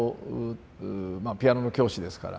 まあピアノの教師ですから。